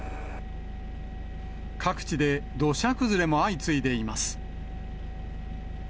各地で土砂崩れも相次いでいます。